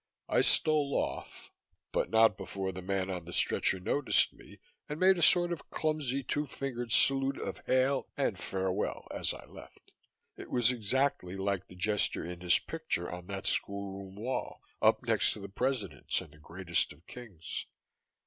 I stole off, but not before the man on the stretcher noticed me and made a sort of clumsy two fingered salute of hail and farewell as I left. It was exactly like the gesture in his picture on that schoolroom wall, up next to the presidents and the greatest of kings.